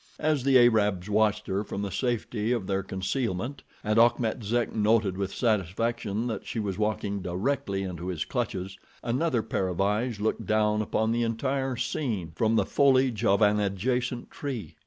As the Arabs watched her from the safety of their concealment, and Achmet Zek noted with satisfaction that she was walking directly into his clutches, another pair of eyes looked down upon the entire scene from the foliage of an adjacent tree.